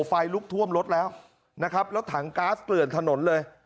ไฟลุกท่วมรถแล้วนะครับแล้วถังก๊าซเกลื่อนถนนเลย